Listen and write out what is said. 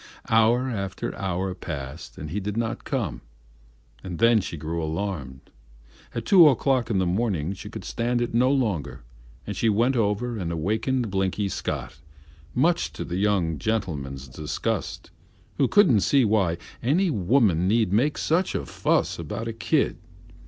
Hour after hour passed and he did not come; then she grew alarmed. At two o'clock in the morning she could stand it no longer and she went over and awakened Blinky Scott, much to that young gentleman's disgust, who couldn't see why any woman need make such a fuss about a kid.